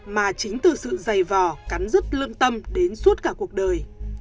mà chính từ sự dày vò cắn dứt lương tâm đến suốt cả cuộc đời